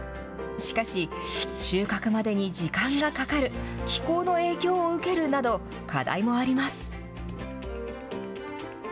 しかし、収穫までに時間がかかる、気候の影響を受けるなど、課題もあります。